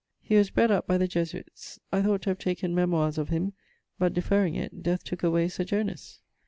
He was bred up by the Jesuites. I thought to have taken memoires of him; but deferring it, death took away Sir Jonas.